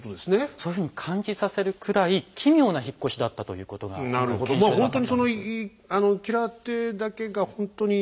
そういうふうに感じさせるくらい奇妙な引っ越しだったということが検証で分かったんです。